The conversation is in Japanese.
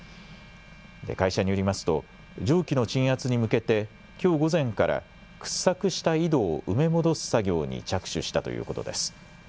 会社によりますと蒸気の鎮圧に向けて、きょう午前から掘削した井戸を埋め戻す作業に着手したということです。